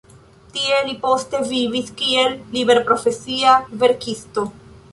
Tie li poste vivis kiel liberprofesia verkisto.